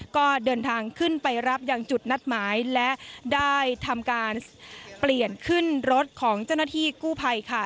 ก็เดินทางขึ้นไปรับอย่างจุดนัดหมายและได้ทำการเปลี่ยนขึ้นรถของเจ้าหน้าที่กู้ภัยค่ะ